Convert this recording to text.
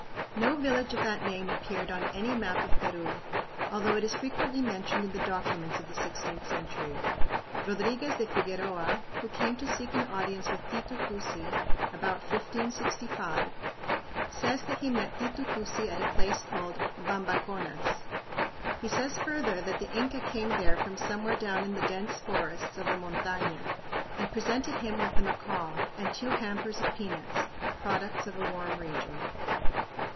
No village of that name appeared on any map of Peru, although it is frequently mentioned in the documents of the sixteenth century. Rodriguez de Figueroa, who came to seek an audience with Titu Cusi about 1565, says that he met Titu Cusi at a place called Banbaconas. He says further that the Inca came there from somewhere down in the dense forests of the montaña and presented him with a macaw and two hampers of peanuts products of a warm region.